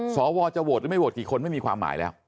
สวจะโหวตหรือไม่โหวตกี่คนไม่มีความหมายแล้ว